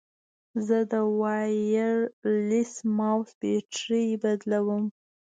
زه د وایرلیس ماؤس بیټرۍ بدلوم.